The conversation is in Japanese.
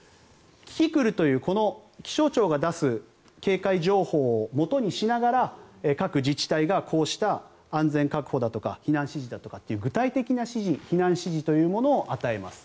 キキクルというこの気象庁が出す警戒情報をもとにしながら各自治体がこうした安全確保だとか避難指示だとかっていう具体的な避難指示を与えます。